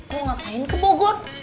mau ngapain ke bogor